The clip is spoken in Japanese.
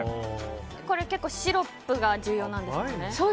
これ、結構シロップが重要なんですよね。